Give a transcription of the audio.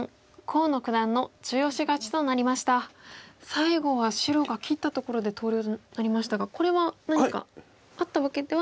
最後は白が切ったところで投了となりましたがこれは何かあったわけではない。